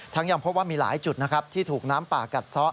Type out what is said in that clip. ยังพบว่ามีหลายจุดนะครับที่ถูกน้ำป่ากัดซะ